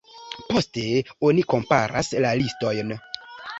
Poste oni komparas la listojn.